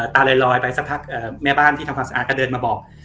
ตาลอยไปสักพักแม่บ้านที่ทำความสะอาดก็เดินมาบอก